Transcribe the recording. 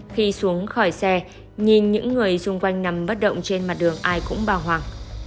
khi xuống khỏi xe nhìn những người xung quanh nằm bất động trên mặt đường ai cũng bào hoảng